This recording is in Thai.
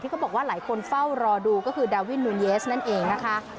เขาบอกว่าหลายคนเฝ้ารอดูก็คือดาวินมูนเยสนั่นเองนะคะ